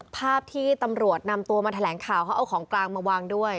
ภาพที่ตำรวจนำตัวมาแถลงข่าวเขาเอาของกลางมาวางด้วย